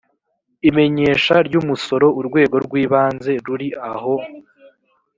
imenyesha ry umusoro urwego rw ibanze ruri aho